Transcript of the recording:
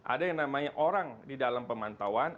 ada yang namanya orang di dalam pemantauan